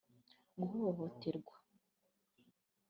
guhohoterwa